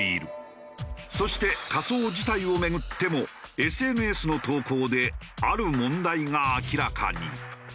そして火葬自体を巡ってもＳＮＳの投稿である問題が明らかに。